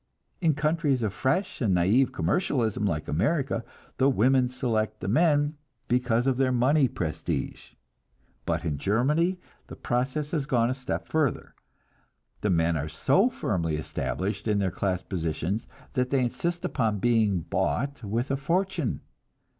In countries of fresh and naive commercialism, like America, the women select the men because of their money prestige; but in Germany, the process has gone a step further the men are so firmly established in their class positions that they insist upon being bought with a fortune.